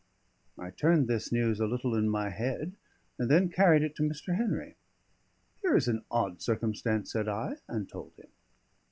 I turned this news a little in my head, and then carried it to Mr. Henry. "Here is an odd circumstance," said I, and told him.